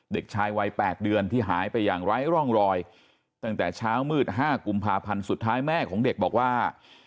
เด็กชายวัย๘เดือนที่หายไปอย่างไร้ร่องรอยตั้งแต่เช้ามืด๕กุมภาพันธ์สุดท้ายแม่ของเด็กบอกว่า